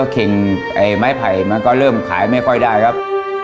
เข่งไม้ไผ่มันก็เริ่มขายไม่ค่อยได้ครับ